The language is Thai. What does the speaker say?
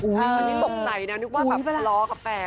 อุ๊ยตกใจนะนึกว่าแบบล้อกาแฟ